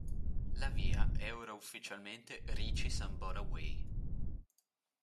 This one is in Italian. La via è ora ufficialmente Richie Sambora Way.